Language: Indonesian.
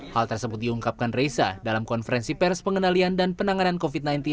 hal tersebut diungkapkan reza dalam konferensi pers pengendalian dan penanganan covid sembilan belas